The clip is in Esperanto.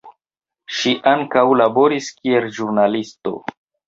Ŝi ankaŭ laboris kiel ĵurnalisto.